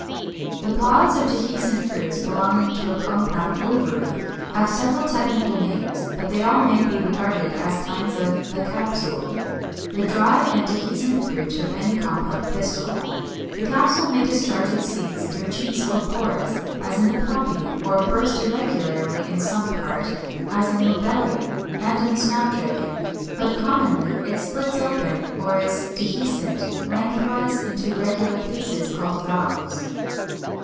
The pods or dehiscent fruits belonging to a compound ovary have several technical names: but they all may be regarded as kinds of 370. =The Capsule=, the dry and dehiscent fruit of any compound pistil. The capsule may discharge its seeds through chinks or pores, as in the Poppy, or burst irregularly in some part, as in Lobelia and the Snapdragon; but commonly it splits open (or is dehiscent) lengthwise into regular pieces, called VALVES.